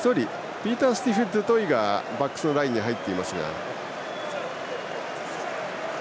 ピーターステフ・デュトイがバックスのラインに入っています。